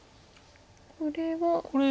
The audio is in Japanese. これは。